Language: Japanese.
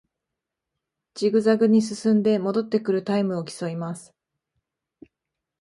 ジグザグに進んで戻ってくるタイムを競います